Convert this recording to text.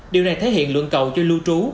điều này thể hiện lượng cầu cho lưu trú